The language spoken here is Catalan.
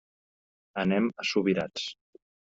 Anem a Subirats.